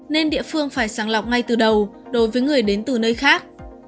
nên địa phương phải sàng lọc ngay từ đầu đối với người đến từ nơi khác